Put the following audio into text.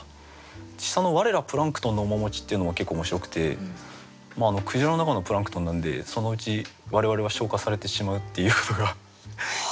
下の「我らプランクトンの面持ち」っていうのも結構面白くて鯨の中のプランクトンなんでそのうち我々は消化されてしまうっていうのが。